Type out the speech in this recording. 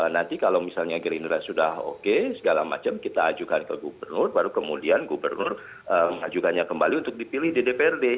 nanti kalau misalnya gerindra sudah oke segala macam kita ajukan ke gubernur baru kemudian gubernur mengajukannya kembali untuk dipilih di dprd